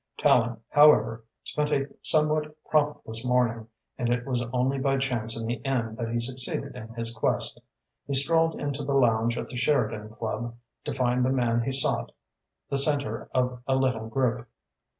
Tallente, however, spent a somewhat profitless morning, and it was only by chance in the end that he succeeded in his quest. He strolled into the lounge at the Sheridan Club to find the man he sought the centre of a little group.